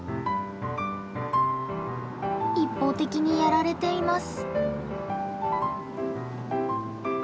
一方的にやられています。